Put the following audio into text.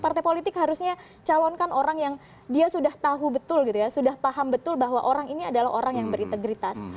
partai politik harusnya calonkan orang yang dia sudah tahu betul gitu ya sudah paham betul bahwa orang ini adalah orang yang berintegritas